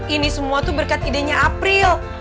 ini semua tuh berkat idenya april